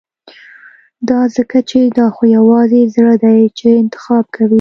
دا ځکه چې دا خو يوازې زړه دی چې انتخاب کوي.